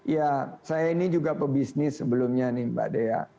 ya saya ini juga pebisnis sebelumnya nih mbak dea